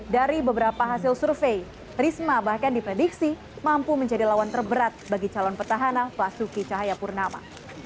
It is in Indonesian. dari beberapa hasil survei risma bahkan diprediksi mampu menjadi lawan terberat bagi calon petahana basuki cahayapurnama